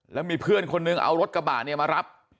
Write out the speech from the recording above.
แล้วมีเพื่อนคนนึงเอารถกระบะเนี่ยมารับ